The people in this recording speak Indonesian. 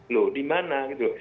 loh di mana gitu